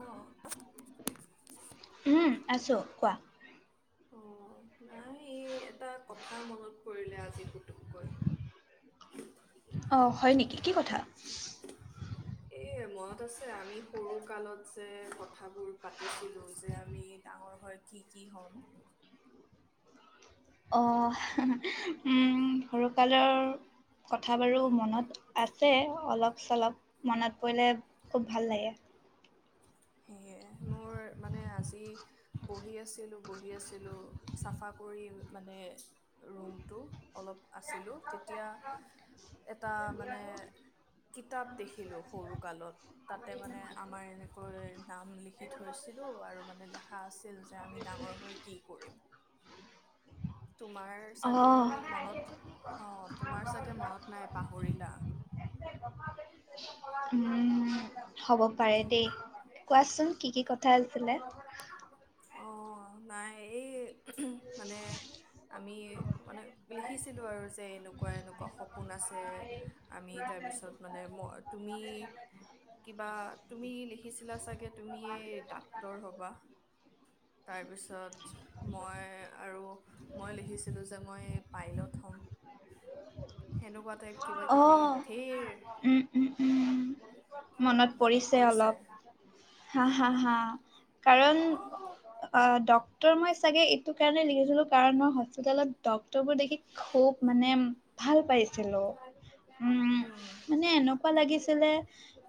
অ উম, আছোঁ কোৱা অ নাই এই এটা কথা মনত পৰিলে আজি কুতুককৈ অ হয় নেকি কি কথা এ মনত আছে আমি সৰু কালত যে কথাবোৰ পাতিছিলো যে আমি ডাঙৰ হৈ কি কি হ'ম অ সৰুকালৰ কথা বাৰু মনত আছে অলপ চলপ মনত পৰিলে খুব ভাল লাগে সেয়ে মোৰ মানে আজি বহি আছিলো বহি আছিলো চাফা কৰি মানে ৰুমটো অলপ আছিলো তেতিয়া এটা মানে কিতাপ দেখিলো সৰু কালত তাতে মানে আমাৰ এনেকৈ নাম লিখি থৈছিলো আৰু মানে লিখা আছিল যে আমি ডাঙৰ হৈ কি কৰিম তোমাৰ চাগে অ', মনত অঁ তোমাৰ চাগে মনত নাই পাহ মৰিলা উম হ'ব পাৰে দেই কোৱাচোন কি কি কথা আছিলে অঁ নাই এই মানে আমি মানে লিখিছিলো আৰু যে এনেকুৱা এনেকুৱা সপোন আছে আমি তাৰপিছত মানে ম তুমি কিবা তুমি লিখিছিলা চাগে তুমি ডাক্তৰ হবা তাৰপিছত মই আৰু মই লিখিছিলোঁ যে মই পাইলট হ'ম সেনেকুৱা টাইপ কিবা কিবি অ', ধেৰ উম, উম, উম। মনত পৰিছে অলপ হা অ' হা হা কাৰণ অ ডক্টৰ মই চাগে এইটো কাৰণে লিখিছিলো কাৰণ মই হস্পিতালত ড্ক্তৰবোৰ দেখি খুব মানে ভাল পাইছিলো। উম লাগিছিলে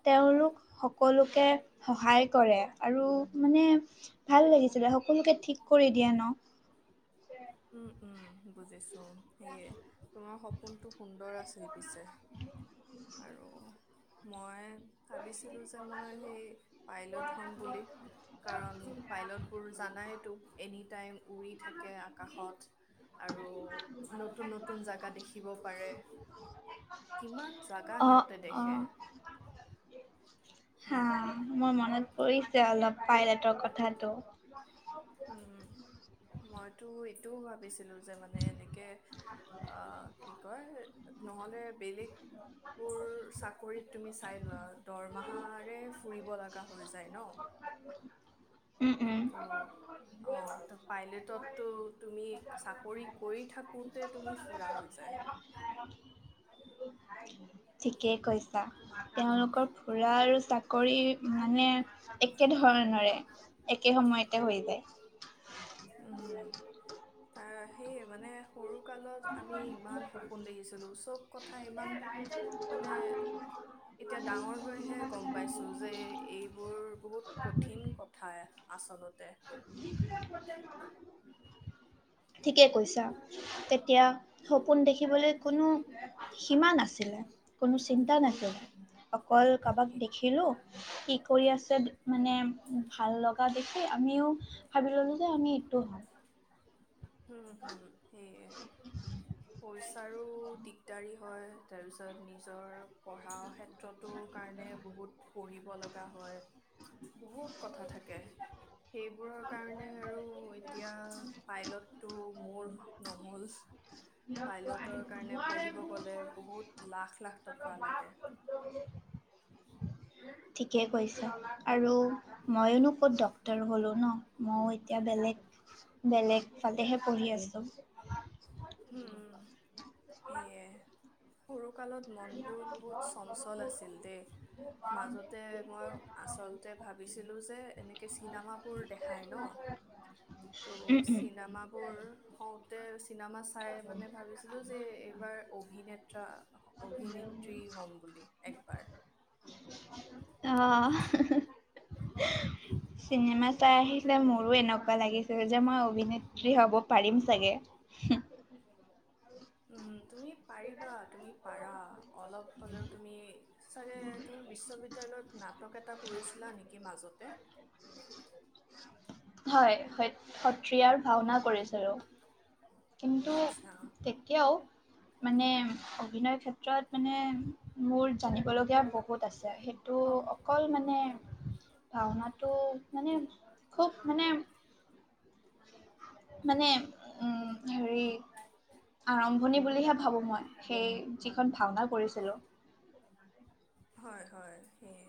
তেওঁলোক সকলোকে সহায় কৰে আৰু মানে ভাল লাগিছিলে। সকলোকে ঠিক কৰি দিয়ে ন। উম উম বুজিছো। সেয়ে তোমাৰ সপোনটো সুন্দৰ আছিল। পিছে আৰু মই ভাবিছিলোঁ যে মই সেই পাইলট হ'ম বুলি। কাৰণ পাইলটবোৰ জানা এ টো এনি টাইম উৰি থাকে আ আকাশত আৰু নতুন নতুন জেগা দেখিব পাৰে। কিমান জাগা অ', সিহঁতে দেখে। অ'। হা সেই মই মনত কৰিছে অলপ পাইলেটৰ কথাটো। উম, মইতো এইটোও ভাবিছিলো যে মানে এনেকে অ কি কয় নহ'লে বেলেগ বোৰ চাকৰিত তুমি চাই লোৱা দৰমাহাৰে ফুৰিব লগা হৈ যায় ন। উম, উম। ত' অঁ ত পাইলেটতো তুমি চাকৰি কৰি থাকোতে তুমি ফুৰা হৈ যায়। ঠিকেই কৈছা। তেওঁলোকৰ ফুৰা আৰু চাকৰি মানে একে ধৰণৰে। একে সময়তে হৈ যায়। উম তাৰ সেইয়ে মানে সৰু কালত আমি ইমান সপোন দেখিছিলোঁ। চব কথা ইমান মানে এতিয়া ডাঙৰ হৈহে গম পাইছো যে এইবোৰ বহুত কঠিন কথা। আচলতে [inaudible] ঠিকে কৈছা। তেতিয়া সপোন দেখিবলৈ কোনো সীমা নাছিলে। কোনো চিন্তা উম নাছিলে। অকল কাবাক সেই দেখিলোঁ কি কৰি আছে মানে ভাল লগা দেখি আমিও ভাবি ললো যে আমি এইটো হম। হম হুম। সেয়ে পইচাৰো দিগদাৰি। হয়। তাৰপিছত নিজৰ পঢ়াৰ ক্ষেত্ৰতো কাৰণে বহুত পঢ়িব লগা হয়। বহুত কথা থাকে। সেইবোৰৰ কাৰণে আৰু এতিয়া পাইলট টো মোৰ নহল। পাইলটৰ কাৰণে পঢ়িব গলে বহুত লাখ লাখ টকা লাগে। ঠিকেই কৈছে। আৰু ময়োনো ক'ত ডক্তৰ হ'লোঁ ন? ময়ো এতিয়া বেলেগ বেলেগ ফালেহে পঢ়ি আছোঁ। হুম। [inaudible] সৰু কালত মনবোৰ বহুত চঞ্চল আছিল দেই। মাজতে মই আচলতে ভাবিছিলো যে এনেকে চিনেমাবোৰ দেখাই ন'। উম উম চিনেমাবোৰ হওঁতে চিনেমা চাই মানে ভাবিছিলো যে এইবাৰ অভিনেতা অভিনেত্ৰী হম বুলি একবাৰ। অ 'চিনেমা চাই আহিলে মোৰো এনেকুৱা লাগিছিল যে মই অভিনেত্ৰী হব পাৰিম চাগে। উম, তুমি পাৰিবা তুমি পাৰা অলপ হ'লেও তুমি চাগে তুমি বিশ্ববিদ্যয়ালয়ত নাটক নাটক এটা কৰিছিলা নেকি মাজতে। হয়, সত্ৰিয়াৰ ভাওঁনা কৰিছিলোঁ। কিন্তু আচ্ছা, তেতিয়াও মানে অভিনয় ক্ষেত্ৰত মানে মোৰ জানিবলগীয়া বহুত আছে। সেইটো অকল মানে ভাওনাটো মানে খুব মানে- মানে উম। হেৰি আৰম্ভণি বুলিহে ভাবোঁ মই সেই যিখন ভাওনা কৰিছিলোঁ। হয়- হয়। সেয়ে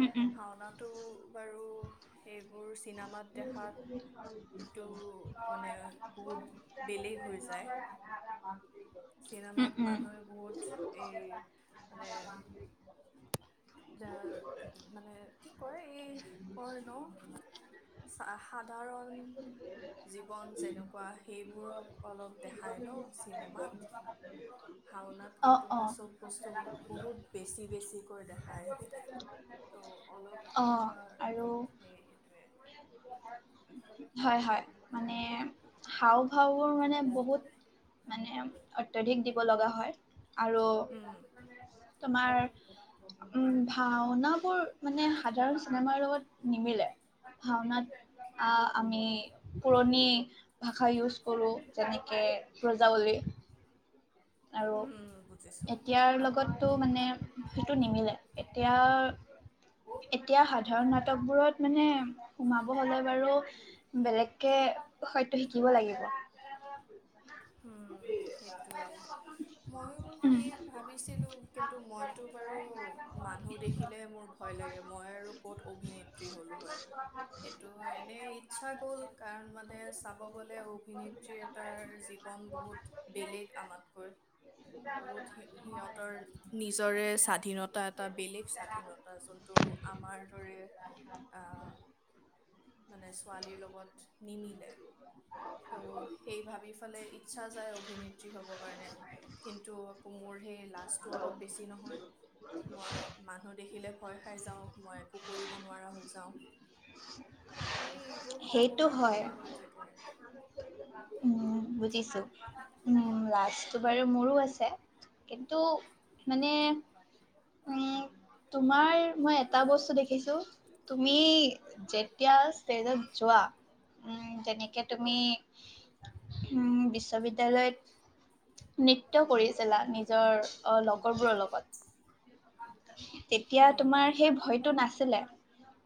উম, উম, ভাওনাটো বাৰু সেইবোৰ, চিনেমাত দেখাত সেইটো মানে বহুত বেলেগ হৈ যায়। উম, চিনেমাত উম, মানুহে বহুত এই মানে এ, মানে কি কয় এই কয় ন' সাধাৰণ জীৱন যেনেকুৱা সেইবোৰক অলপ দেখাই ন চিনেমাত। ভাওনাত অ', কিন্তু মানে অ'। চব বস্তুবোৰ। বহুত বেছি বেছিকৈ দেখায় ত' অলপ অ তেনেকুৱা। আৰু সেই সেইটোৱে, হয় -হয় মানে। হাওঁ -ফাওঁৰ মানে বহুত মানে অত্যধিক দিব লগা হয়। আৰু উম তোমাৰ উম ভাওনাবোৰ মানে সাধাৰণ চিনেমাৰ লগত নিমিলে ভাওনাত আহ আমি পুৰণি। ভাষা ইউজ কৰোঁ যেনেকে বজাৱলী। আৰু উম বুজিছো এতিয়াৰ লগতো মানে। সেইটো নিমিলে এতিয়া এতিয়া সাধাৰণ নাটকবোৰত মানে সোমাব হলে বাৰু বেলেগকে হয়তো শিকিব লাগিব উম সেইটোৱে। ময়ো উম, সেয়ে ভাবিছিলো কিন্তু মইতো বাৰু মানুহ দেখিলে মোৰ ভয় লাগে মই আৰু ক'ত অভিনেত্ৰী হলো হয়। এইটো এনে ইচ্ছা গ'ল কাৰণ মানে চাব গলে অভিনেত্ৰী এটাৰ যি জীৱন বহুত বেলেগ আমাতকৈ। বহুত সিহঁতৰ নিজৰে স্বাধীনতা এটা বেলেগ স্বাধীনতা যোনটো আমাৰ দৰে আহ মানে ছোৱালীৰ লগত নিমিলে ত' সেই ভাবি ফালেই ইচ্ছা যায় অভিনেত্ৰী হ'ব কাৰণে কিন্তু আকৌ মোৰ। সেই লাজটো অলপ বেছি নহয় মই মানুহ দেখিলে। ভয় খাই যাওঁ। মই একো কৰিব নোৱাৰা হৈ যাও এই এইবোৰ সপোন সেইটো হয়। সপোনে হৈ থাকে। উম বুজিছো। উম লাষ্ট। লাজটো বাৰু মোৰো আছে কিন্তু মানে উম তোমাৰ মই এটা বস্তু দেখিছো তুমি যেতিয়া ষ্টেজত যোৱা উ যেনেকে তুমি। উম বিশ্ববিদ্য়ালয়ত নৃত্য কৰিছিলা নিজৰ লগৰবোৰৰ লগত। তেতিয়া হুম তোমাৰ সেই ভয়তটো নাছিল।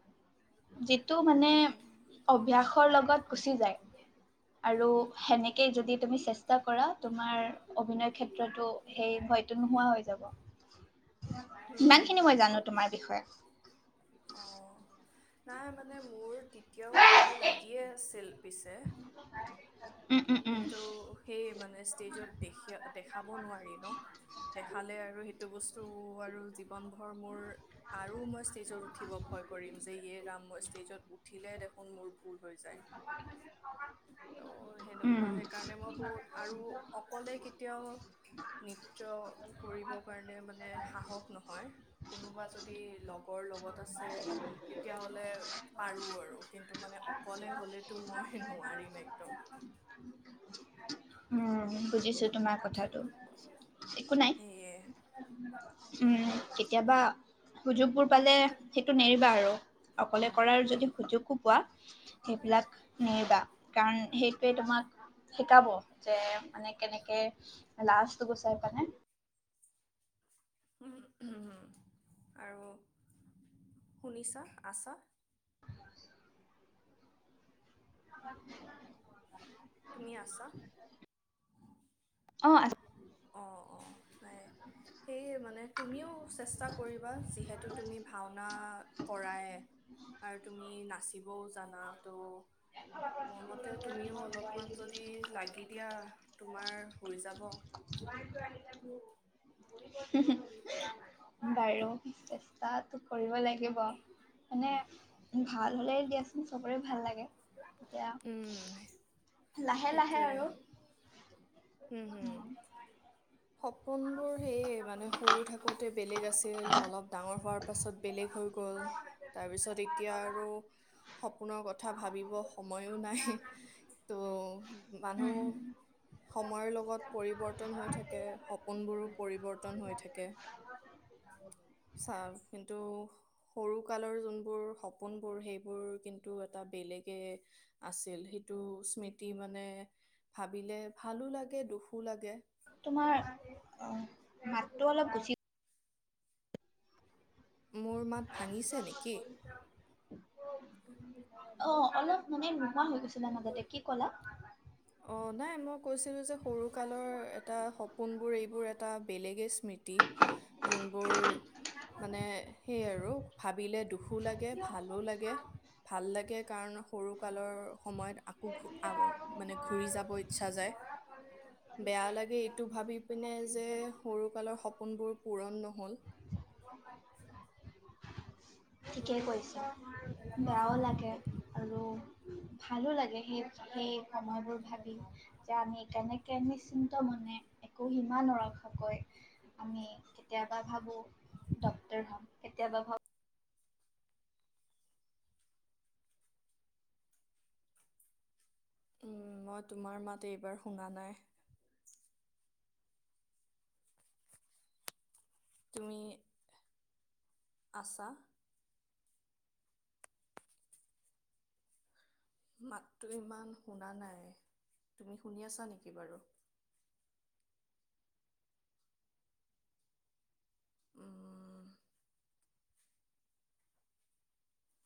[inaudible] যিটো মানে মোৰ- অভ্যাস। লগত গুচি যায়। আৰু সেনেকেই যদি তুমি চেষ্টা কৰা তোমাৰ অভিনয় ক্ষেত্ৰতো সেই ভয়টো নোহোৱা হৈ যাব। হুম ইমানখিনি মই হুম জানো তোমাৰ বিষয়ে। অঁ নাই মানে মোৰ, তেতিয়াও ভয় লাগিয়ে আছিল। পিছে। উম, উম, উম, কিন্তু সেই মানে ষ্টেজত দেখি দেখাব নোৱাৰি ন দেখালে আৰু এইটো বস্তু আৰু জীৱন ভৰ মোৰ আৰু মই ষ্টেজত উঠিব ভয় কৰিম যে ইয়ে ৰাম মই ষ্টেজত উঠিলে দেখোন মোৰ ভুল হৈ যায় ত'। উম, সেইকাৰণে মই বহুত আৰু অকলে কেতিয়াও নৃত্য কৰিব কাৰণে মানে সাহস নহয় কোনোবা যদি লগৰ লগত। তেতিয়া হ'লে পাৰো আৰু কিন্তু মানে, [inaudible] অকলে হ'লেতো মই নোৱাৰিম একদম উম, বুজিছো তোমাৰ কথাত। ত একো নাই। সেয়ে উম কেতিয়াবা সুযোগ বোৰ পালে সেইটো নেৰিবা আৰু অকলে কৰাৰ যদি সুযোগ খুব। কোৱা? সেইবিলাক নেৰিবা কাৰণ সেইটোৱে তোমাক শিকাব যে মানে কেনেকে লাজটো গুচাই পানে। আৰু শুনিছা আচা? [inaudible] তুমি আছা? অ' আছো। অ' অ' সেইে মানে তুমিও চেষ্টা কৰিবা যিহেতু তুমি ভাওনা কৰায় আৰু তুমি নাচিবও জানা ত'। মোৰ মতে তুমিও অলপমান যদি লাগি দিয়া তোমাৰ হৈ যাব। বাৰু চেষ্টাটো কৰিব লাগিব মানে ভাল হলে দিয়াচোন চবৰে ভাল লাগে। এতিয়া উম লাহে -লাহে আৰু, হুম হুম সপোনবোৰ সেয়ে মানে সৰু থাকোতে বেলেগ আছিল। অলপ ডাঙৰ হোৱাৰ পাছত বেলেগ হৈ গল তাৰপিছত এতিয়া আৰু সপোনৰ কথা ভাবিব স সময়ো নাই ত' মানুহ উম। সময়ৰ লগত পৰিৱৰ্তন হৈ থাকে। সপোনবোৰো পৰিৱৰ্তন হৈ থাকে চা কিন্তু সৰু কালৰ যোনবোৰ সপোন তোমাৰ অ' মাতটো অলপ গুচি মোৰ মাত ভাঙিছে নেকি? অ' অলপ মানে নোহোৱা হৈ গৈছিলা মাজতে কি কলা? অ' নাই মই কৈছিলো যে সৰু কালৰ এটা সপোনবোৰ এইবোৰ এটা বেলেগে স্মৃতি যোনবোৰ মানে সেই আৰু ভাবিলে দুখ। দুখো লাগে ভালো লাগে ভাল লাগে কাৰণ সৰু কালৰ সময়ত আকৌ ঘূ আ মানে ঘূৰি যাব ইচ্ছা যায় বেয়া লাগে এইটো ভাবি পিনে যে সৰুকালৰ সপোনবোৰ পূৰণ নহ'ল। কি? [inaudible] ঠিকে কৈছা। বেয়াও লাগে আৰু ভালো লাগে সেই- সেই সময়বোৰ ভাবি যে আমি কেনেকে নিশ্চিন্ত মনে একো সীমা নৰখাকৈ আমি কেতিয়াবা ভাবোঁ ডক্তৰ হম কেতিয়াবা ভাবোঁ মই তোমাৰ মাত এইবাৰ শুনা নাই। তুমি আছা মাতটো ইমান শুনা নাই তুমি শুনি আছা নেকি বাৰু ' [inaudible]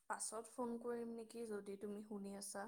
পাছত ফোন কৰিম নেকি যদি তুমি শুনি আছা?